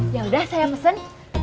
ya udah saya pesen